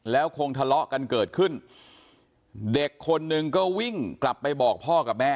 แล้วคงทะเลาะกันเกิดขึ้นเด็กคนนึงก็วิ่งกลับไปบอกพ่อกับแม่